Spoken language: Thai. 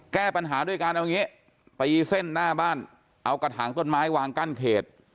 แก้ปัญหาด้วยการเอาอย่างนี้ตีเส้นหน้าบ้านเอากระถางต้นไม้วางกั้นเขต